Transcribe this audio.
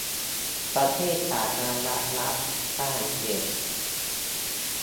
ประเทศสาธารณรัฐฝรั่งเศส